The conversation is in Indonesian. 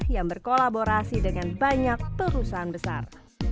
yang berkolaborasi dengan banyak perusahaan besar